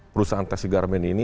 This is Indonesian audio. perusahaan tekstil garmen ini